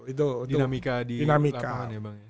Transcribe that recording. itu dinamika di lapangan ya bang ya